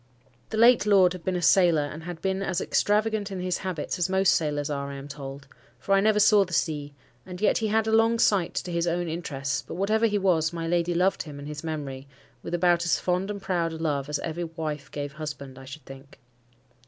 The late lord had been a sailor, and had been as extravagant in his habits as most sailors are, I am told,—for I never saw the sea; and yet he had a long sight to his own interests; but whatever he was, my lady loved him and his memory, with about as fond and proud a love as ever wife gave husband, I should think.